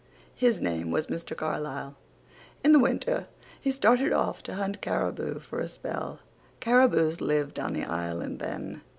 His name was Mr. Carlisle. In the winter he started off to hunt cariboo for a spell. Cariboos lived on the island then.